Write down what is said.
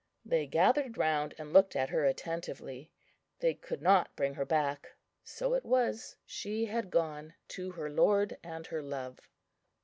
They gathered round, and looked at her attentively. They could not bring her back. So it was: she had gone to her Lord and her Love.